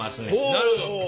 なるほど。